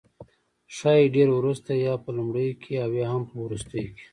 ښايي ډیر وروسته، یا په لومړیو کې او یا هم په وروستیو کې